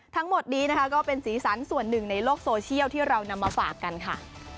ทั้งหมดนี้นะคะก็เป็นสีสันส่วนหนึ่งในโลกโซเชียลที่เรานำมาฝากกันค่ะ